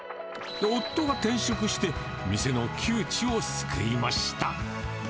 夫が転職して店の窮地を救いました。